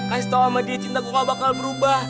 kasih tau sama dia cinta gue gak bakal berubah